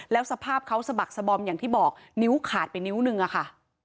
แล้วสภาพเขาสะบักสบอมอย่างที่บอกนิ้วขาดไปนิ้วนึงอะค่ะ